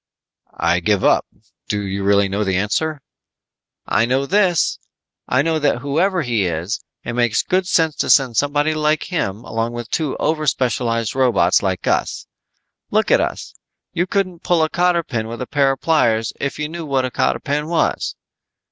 "I give up. Do you really know the answer?" "I know this. I know that whoever he is, it makes good sense to send somebody like him along with two overspecialized robots like us. Look at us. You couldn't pull a cotter pin with a pair of pliers if you knew what a cotter pin was.